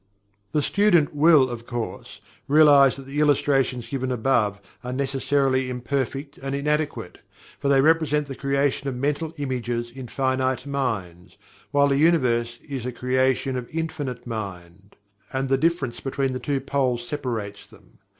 The student will, of course, realize that the illustrations given above are necessarily imperfect and inadequate, for they represent the creation of mental images in finite minds, while the Universe is a creation of Infinite Mind and the difference between the two poles separates them.